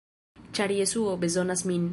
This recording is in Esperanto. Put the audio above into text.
ĉar Jesuo bezonas min.